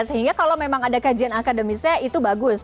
sehingga kalau memang ada kajian akademisnya itu bagus